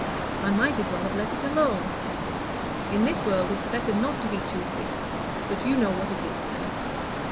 I might as well have let it alone. In this world it's better not to be too quick. But you know what it is, sir."